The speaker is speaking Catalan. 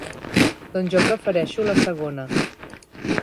Doncs jo prefereixo la segona.